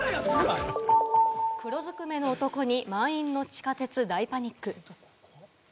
黒ずくめの男に満員の地下鉄、大パニック。